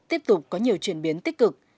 tiếp tục có nhiều chuyển biến tích cực